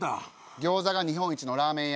ギョーザが日本一のラーメン屋。